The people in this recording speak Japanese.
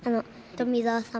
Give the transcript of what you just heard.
富澤さん